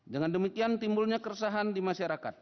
dengan demikian timbulnya keresahan di masyarakat